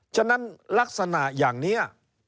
ฉะนั้นลักษณะอย่างนี้